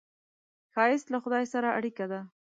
ښایست له خدای سره اړیکه ده